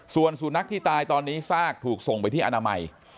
ส่วนสุนัขที่ตายตอนนี้ซากถูกส่งไปที่อนามัย